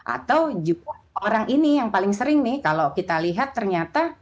atau juga orang ini yang paling sering nih kalau kita lihat ternyata